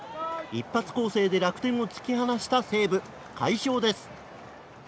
一発攻勢で楽天を突き放した西武快勝です。